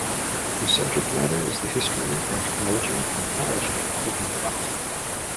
Her subject matter is the history, anthropology, and mythology of everyday life.